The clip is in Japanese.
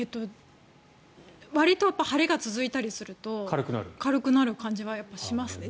わりと晴れが続いたりすると軽くなる感じはしますね。